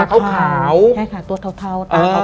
ใช่ค่ะตัวเทาตาเทา